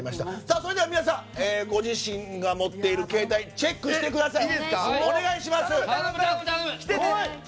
それでは皆さんご自身が持っている携帯電話をチェックしてください！